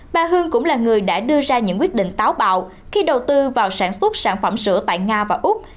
bà hương cũng là người đã đưa ra những quyết định táo bạo khi đầu tư vào sản xuất sản phẩm sữa tại nga và úc